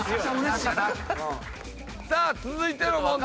さあ続いての問題